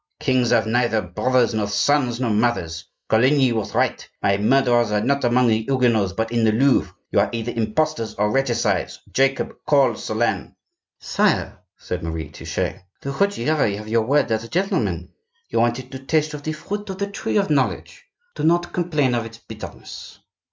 "Kings have neither brothers, nor sons, nor mothers. Coligny was right; my murderers are not among the Huguenots, but in the Louvre. You are either imposters or regicides!—Jacob, call Solern." "Sire," said Marie Touchet, "the Ruggieri have your word as a gentleman. You wanted to taste of the fruit of the tree of knowledge; do not complain of its bitterness."